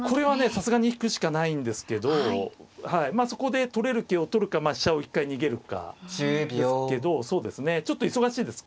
さすがに引くしかないんですけどまあそこで取れる桂を取るか飛車を一回逃げるかですけどそうですねちょっと忙しいです。